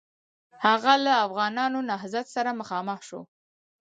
هغه له افغانانو نهضت سره مخامخ شو.